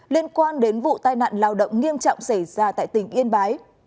liên quan đến vụ tai nạn lao động nghiêm trọng xảy ra tại tỉnh yên bái